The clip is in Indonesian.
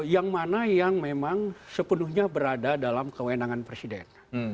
yang mana yang memang sepenuhnya berada dalam kewenangan presiden